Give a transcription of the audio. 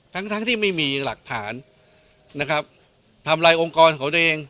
ทั้งทั้งที่ไม่มีหลักฐานนะครับทำลายองค์กรของตัวเอง